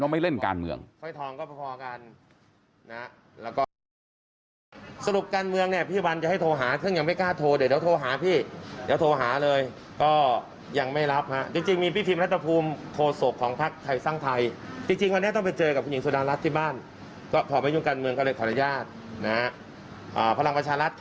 ไม่เล่นการเมืองนะคะยืนยันว่าไม่เล่นการเมือง